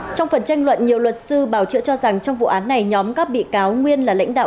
trong phần tranh luận nhiều luật sư bảo chữa cho rằng trong vụ án này nhóm các bị cáo nguyên là lãnh đạo